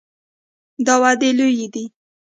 دا وعدې لویې دي.